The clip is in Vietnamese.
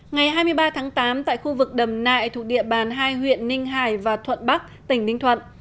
ngày hai mươi ba tháng tám tại khu vực đầm nại thuộc địa bàn hai huyện ninh hải và thuận bắc tỉnh ninh thuận